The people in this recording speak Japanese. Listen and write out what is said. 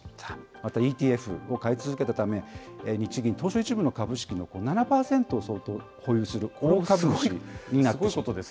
またＥＴＦを買い続けたため、日銀、東証１部の株式の７％相当を保有する大株主になってしまった。